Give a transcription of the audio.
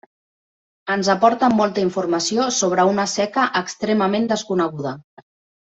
Ens aporta molta informació sobre una seca extremament desconeguda.